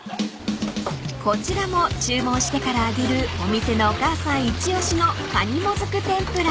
［こちらも注文してから揚げるお店のお母さん一押しのかにもずく天ぷら］